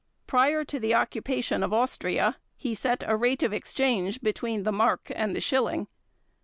Prior to the occupation of Austria he set a rate of exchange between the mark and the schilling.